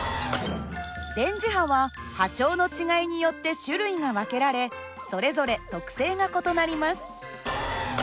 電磁波は波長の違いによって種類が分けられそれぞれ特性が異なります。